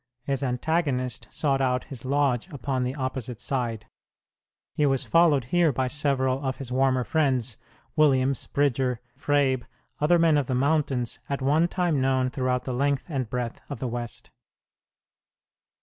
His antagonist sought out his lodge upon the opposite side. He was followed here by several of his warmer friends, Williams, Bridger, Fraeb, other men of the mountains at one time known throughout the length and breadth of the West.